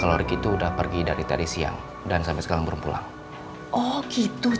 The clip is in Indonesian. oh gitu cak